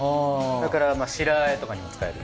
それから白和えとかにも使える。